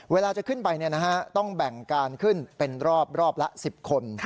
เวลาจะขึ้นไปต้องแบ่งการขึ้นเป็นรอบละ๑๐คน